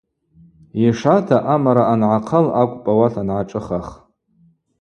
Йшата амара ангӏахъал акӏвпӏ ауат ангӏашӏыхах.